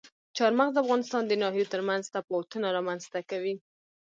چار مغز د افغانستان د ناحیو ترمنځ تفاوتونه رامنځته کوي.